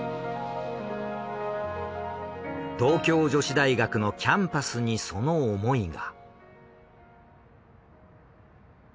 東京女子大学のキャンパスにその思いが。